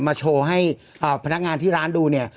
มาโชว์ให้พนักงานที่ร้านดูเนี่ย